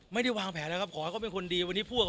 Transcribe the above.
ไม่ได้วางแผลแล้วครับขอให้เขาเป็นคนดี